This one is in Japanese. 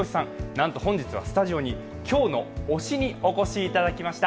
なんと本日はスタジオに今日の推しにお越しいただきました。